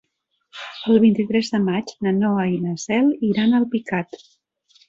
El vint-i-tres de maig na Noa i na Cel iran a Alpicat.